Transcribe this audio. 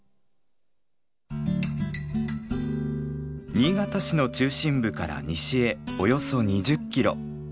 新潟市の中心部から西へおよそ２０キロ。